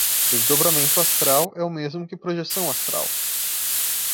Desdobramento astral é o mesmo que projeção astral